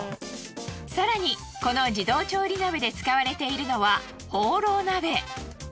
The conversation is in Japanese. さらにこの自動調理なべで使われているのはホーロー鍋。